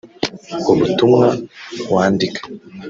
ubutumwa wandika